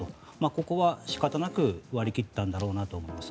ここは仕方なく割り切ったんだろうなと思います。